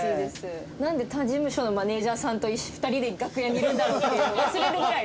なんで他事務所のマネジャーさんと２人で楽屋にいるんだろうって忘れるぐらいでした。